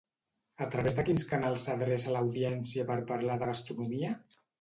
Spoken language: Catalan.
A través de quins canals s'adreça a l'audiència per parlar de gastronomia?